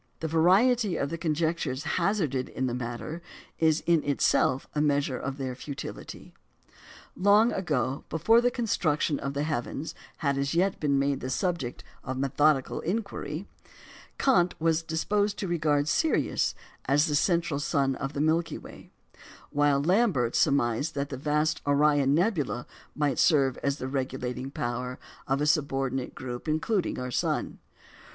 The variety of the conjectures hazarded in the matter is in itself a measure of their futility. Long ago, before the construction of the heavens had as yet been made the subject of methodical inquiry, Kant was disposed to regard Sirius as the "central sun" of the Milky Way; while Lambert surmised that the vast Orion nebula might serve as the regulating power of a subordinate group including our sun.